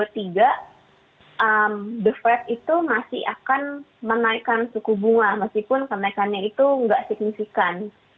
the fed itu masih akan menaikkan suku bunga meskipun kenaikannya itu nggak signifikan